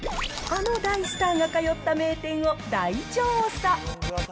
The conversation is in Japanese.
あの大スターが通った名店を大調査。